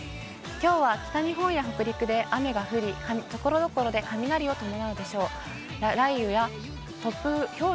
きょうは北日本や北陸で雨が降り、ところどころで雷を伴うでしょう。